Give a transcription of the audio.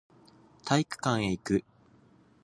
体育館へ行く